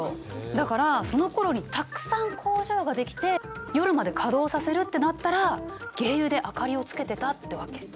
だからそのころにたくさん工場が出来て夜まで稼働させるってなったら鯨油で明かりをつけてたってわけ。